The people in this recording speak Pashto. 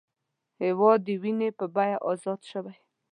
هېواد د وینې په بیه ازاد شوی